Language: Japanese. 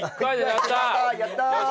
やった！